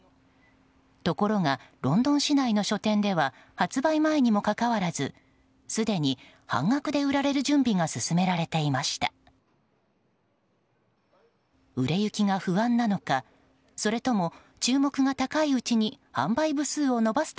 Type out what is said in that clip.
ところがロンドン市内の書店では発売前にもかかわらずすでに半額で売られる準備が進められていました。